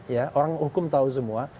ya orang hukum tahu semua